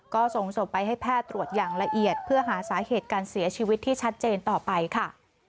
ก็ส่งศพไปให้แพทย์ตรวจอย่างละเอียดเพื่อหาสาเหตุการเสียชีวิตที่ชัดเจนต่อไปค่ะ